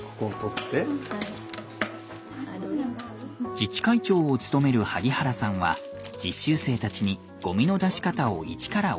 自治会長を務める萩原さんは実習生たちにゴミの出し方を一から教えました。